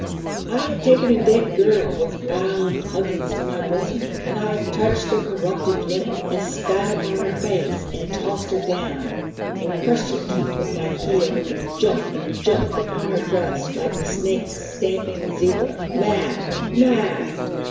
I have taken a dead girl with wild huggings to my bosom; and I have touched the corrupted lip, and spat upon her face, and tossed her down, and crushed her teeth with my heel, and jumped and jumped upon her breast, like the snake stamping zebra, mad, mad...!